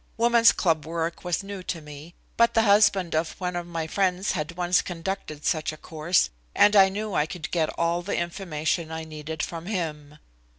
Woman's club work was new to me, but the husband of one of my friends had once conducted such a course, and I knew I could get all the information I needed from him.